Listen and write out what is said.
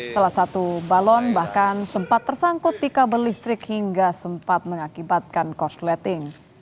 salah satu balon bahkan sempat tersangkut di kabel listrik hingga sempat mengakibatkan korsleting